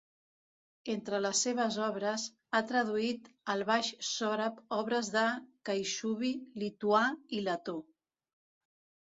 Entre les seves obres, ha traduït al baix sòrab obres en caixubi, lituà i letó.